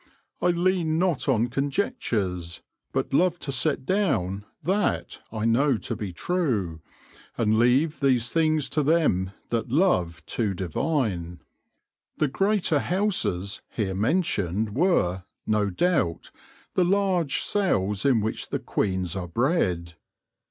I leane not on conjectures, but love to set down that I know to be true, and leave these things to them that love to divine." The " greater houses " here mentioned 30 THE LORE OF THE HONEY FEE were, no doubt, the large cells in which the queens are bred.